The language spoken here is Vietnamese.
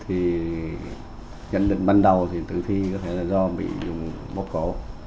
thì dấu vết thì nhận định ban đầu thì tử thi có thể là do bị dùng bóp cổ